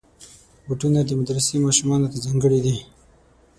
بوټونه د مدرسې ماشومانو ته ځانګړي دي.